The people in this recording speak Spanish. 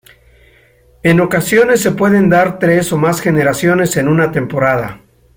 En ocasiones se pueden dar tres o más generaciones en una temporada.